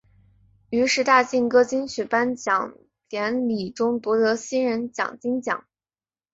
于十大劲歌金曲颁奖典礼中夺得新人奖金奖。